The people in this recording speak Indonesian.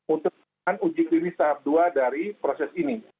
untuk uji klinis tahap dua dari proses ini